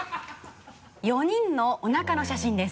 ４人のおなかの写真です。